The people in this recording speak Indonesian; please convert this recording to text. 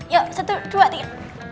yuk satu dua tiga